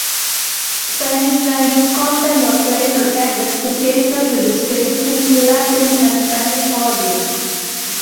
Spanish-language content was later added to cater to the station's Latin and Spanish audience.